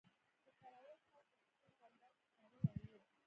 د کراول سر په سپین بنداژ کې تړلی وو.